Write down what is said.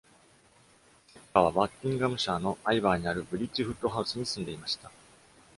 セッカーは、バッキンガムシャーのアイバーにあるブリッジフット・ハウスに住んでいました。